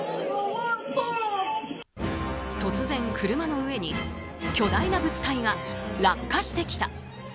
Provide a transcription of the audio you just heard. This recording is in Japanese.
突然、車の上に巨大な物体が落下してきた。